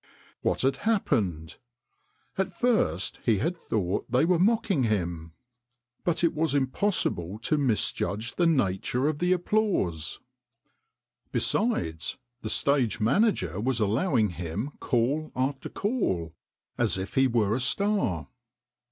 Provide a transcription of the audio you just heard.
What had happened ? At first he had thought they were mocking him, but it was impossible to THE CONJURER 201 misjudge the nature of the applause. Besides, the stage manager was allowing him call after call, as if he were a star.